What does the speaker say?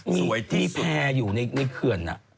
มีแพร่อยู่ในเขื่อน